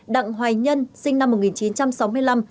đặng hoài nhân sinh năm một nghìn chín trăm sáu mươi năm